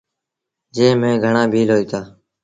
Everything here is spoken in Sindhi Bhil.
جݩهݩ ميݩ گھڻآ ڀيٚل هوئيٚتآ۔